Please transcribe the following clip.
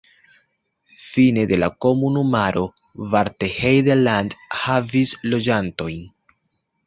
Fine de la komunumaro Bargteheide-Land havis loĝantojn.